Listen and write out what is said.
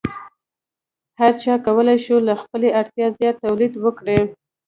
هر چا کولی شو له خپلې اړتیا زیات تولید وکړي.